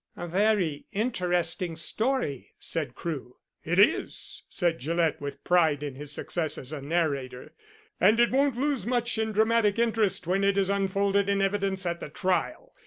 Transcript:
"A very interesting story," said Crewe. "It is," said Gillett with pride in his success as a narrator. "And it won't lose much in dramatic interest when it is unfolded in evidence at the trial.